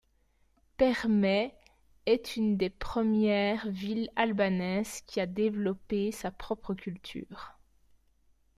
Përmet est une des premières villes albanaises qui a développée sa propre culture.